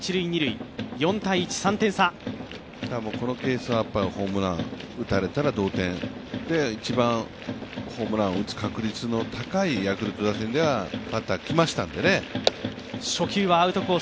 この点数はホームラン打たれたら同点、一番ホームランを打つ確率の高いヤクルト打線ではバッターが来ましたのでね。